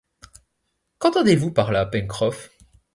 Qu’entendez-vous par là, Pencroff